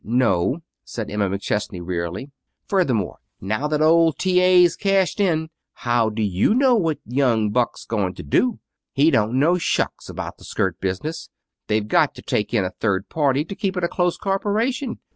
"No," said Emma McChesney wearily. "Furthermore, now that old T. A.'s cashed in, how do you know what young Buck's going to do? He don't know shucks about the skirt business. They've got to take in a third party to keep it a close corporation.